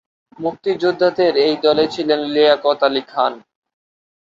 মুক্তিযোদ্ধাদের এই দলে ছিলেন লিয়াকত আলী খান।